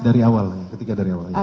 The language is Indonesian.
dari awal ketika dari awal